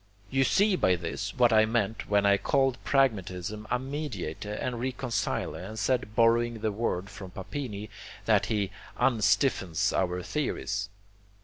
You see by this what I meant when I called pragmatism a mediator and reconciler and said, borrowing the word from Papini, that he unstiffens our theories.